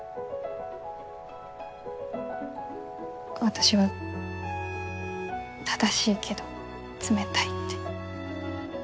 私は正しいけど冷たいって。